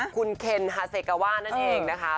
คุณเคนฮาเซกาว่านั่นเองนะคะ